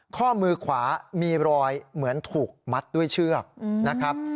ข้อมือขวามีรอยเหมือนถูกมัดด้วยเชือกนะครับ